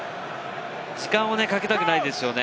時間をかけたくないですよね。